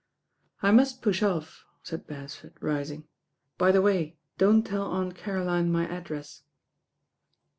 "I must push off," said Beresford, rising. "By the way, don't tell Aunt Caroline my address."